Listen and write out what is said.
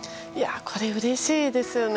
これ、うれしいですね。